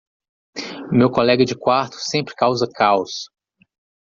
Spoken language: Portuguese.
Meu colega de quarto sempre causa caos.